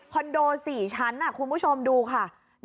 โด๔ชั้นคุณผู้ชมดูค่ะ